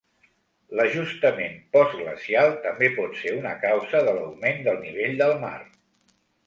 L'ajustament postglacial també pot ser una causa de l'augment del nivell del mar.